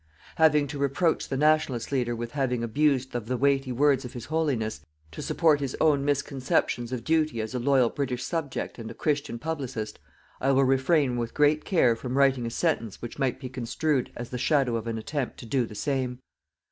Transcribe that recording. Having to reproach the Nationalist leader with having abused of the weighty words of His Holiness, to support his own misconceptions of duty as a loyal British subject and a Christian publicist, I will refrain with great care from writing a sentence which might be construed as the shadow of an attempt to do the same.